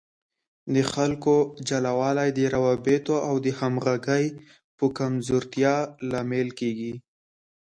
د خلکو جلاوالی د روابطو او همغږۍ په کمزورتیا لامل کیږي.